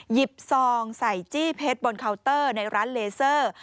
ซองใส่จี้เพชรบนเคาน์เตอร์ในร้านเลเซอร์